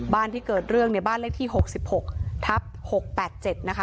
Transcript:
ที่เกิดเรื่องเนี่ยบ้านเลขที่๖๖ทับ๖๘๗นะคะ